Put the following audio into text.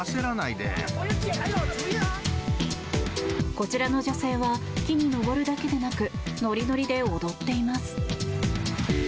こちらの女性は木に登るだけでなくノリノリで踊っています。